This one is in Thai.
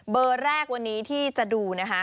เบอร์แรกวันนี้ที่จะดูนะคะ